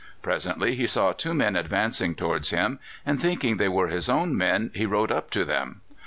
Presently he saw two men advancing towards him, and thinking they were his own men he rode up to them.